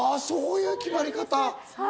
そういう決まり方？